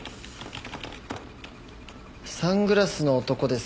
サングラスの男ですか。